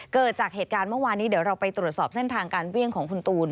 เกิดจากเหตุการณ์เมื่อวานนี้เดี๋ยวเราไปตรวจสอบเส้นทางการวิ่งของคุณตูน